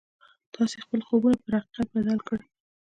تاسې خپل خوبونه پر حقيقت بدل کړئ.